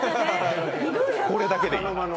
これだけでいい。